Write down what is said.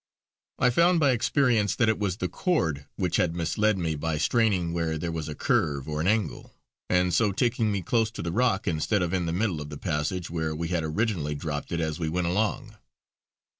I found by experience that it was the cord which had misled me by straining where there was a curve or an angle, and so taking me close to the rock instead of in the middle of the passage where we had originally dropped it as we went along.